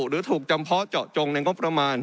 หรือถูกจำเพาะเจาะจงในงบประมาณ